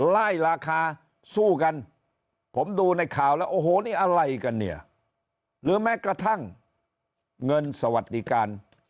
ไล่ราคาสู้กันผมดูในข่าวแล้วโอ้โหนี่อะไรกันเนี่ยหรือแม้กระทั่งเงินสวัสดิการ